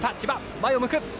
前を向く。